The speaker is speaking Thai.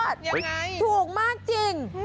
ยังไงถูกมากจริง